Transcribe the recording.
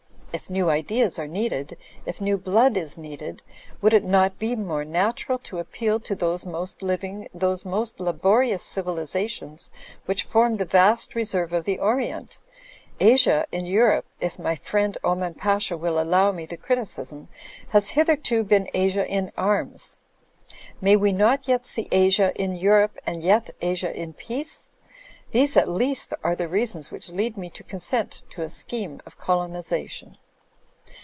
If new ideas are needed, if new blood is needed, would it not be more natural to appeal to those most living, those most laborious civilisations which form the vast reserve of the Orient? Asia in Europe, if my fridnd Oman Pasha will allow me the criticism, has hitherto Digitized by CjOOQI^ 28 THE FLYING INN been Asia in arms. May we not yet see Asia in Eu rope and yet Asia in peace? These at least are the reasons which lead me to consent to a scheme of colonisation."